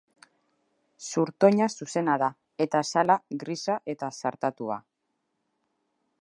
Zurtoina zuzena da, eta azala grisa eta zartatua.